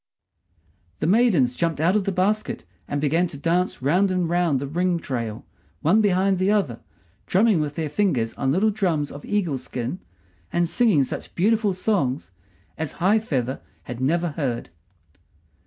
The maidens jumped out of the basket and began to dance round and round the ring trail, one behind the other, drumming with their fingers on little drums of eagle skin, and singing such beautiful songs as High feather had never heard.